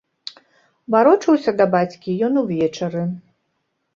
Варочаўся да бацькі ён увечары.